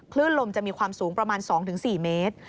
คลื่นลมจะมีความสูงประมาณ๒๔เมตร